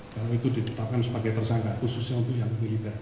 kalau itu ditetapkan sebagai tersangka khususnya untuk yang militer